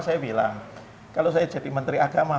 saya bilang kalau saya jadi menteri agama